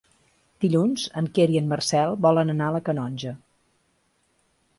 Dilluns en Quer i en Marcel volen anar a la Canonja.